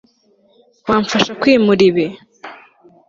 Wamfasha kwimura ibi